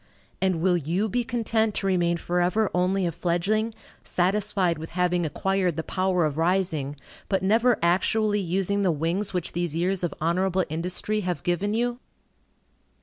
And will you be content to remain forever only a fledgling, satisfied with having acquired the power of rising, but never actually using the wings which these years of honorable industry have given you?